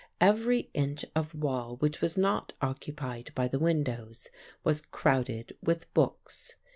Every inch of wall which was not occupied by the windows was crowded with books.